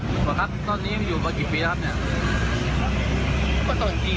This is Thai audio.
หมอครับตอนนี้มันอยู่มากี่ปีแล้วครับเนี่ย